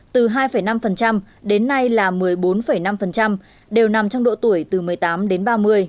từ hai năm đến nay là một mươi bốn năm đều nằm trong độ tuổi từ một mươi tám đến ba mươi